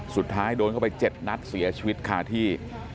สุดท้ายโดนเข้าไป๗นัดเสียชีวิตคาที่